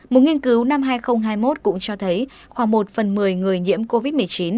một nghiên cứu năm hai nghìn hai mươi một cũng cho thấy khoảng một phần một mươi người nhiễm covid một mươi chín